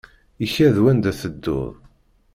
Ikad wanda tedduɣ.